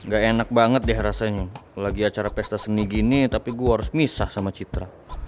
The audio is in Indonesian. gak enak banget deh rasanya lagi acara pesta seni gini tapi gue harus misah sama citra